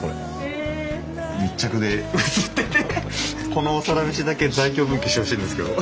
この「サラメシ」だけ在京分岐してほしいんですけど。